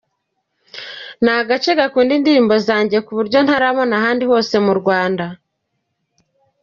Ni agace gakunda indirimbo zanjye ku buryo ntarabona ahandi hose mu Rwanda".